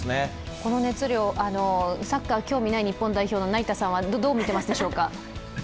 この熱量、サッカー興味ない日本代表の成田さんはどうみていますでしょうか？